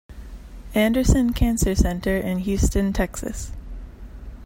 Anderson Cancer Center in Houston, Texas.